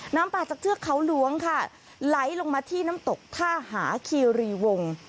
น้ำป่าจากเทือกเขาหลวงค่ะไหลลงมาที่น้ำตกท่าหาคีรีวง